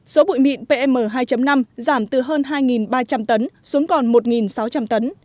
số bụi mịn pm hai năm giảm từ hơn hai ba trăm linh tấn xuống còn một sáu trăm linh tấn